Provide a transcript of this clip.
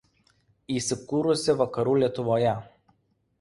Įsikūrusi Vakarų Lietuvoje.